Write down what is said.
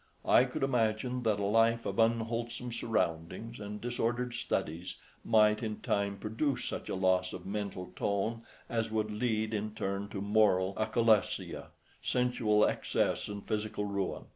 I could imagine that a life of unwholesome surroundings and disordered studies might in time produce such a loss of mental tone as would lead in turn to moral acolasia, sensual excess, and physical ruin.